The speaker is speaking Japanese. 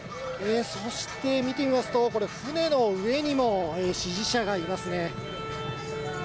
そして見てみますと船の上にも支持者がいますね。